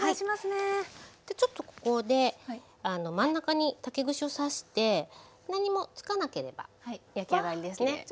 ちょっとここで真ん中に竹串を刺して何もつかなければ焼き上がりですね。